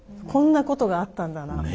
こんなことがあったんだな。